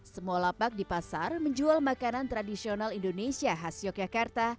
semua lapak di pasar menjual makanan tradisional indonesia khas yogyakarta